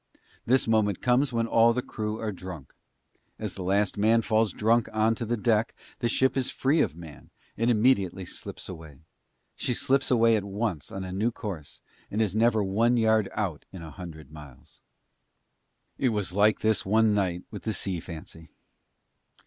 This moment comes when all the crew are drunk. As the last man falls drunk on to the deck, the ship is free of man, and immediately slips away. She slips away at once on a new course and is never one yard out in a hundred miles. It was like this one night with the Sea Fancy.